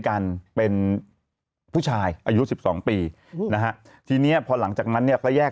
กันเป็นผู้ชายอายุ๑๒ปีนะฮะทีนี้พอหลังจากนั้นเนี่ยก็แยก